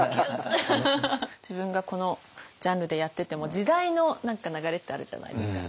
自分がこのジャンルでやってても時代の流れってあるじゃないですか。